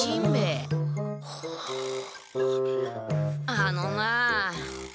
あのなあ。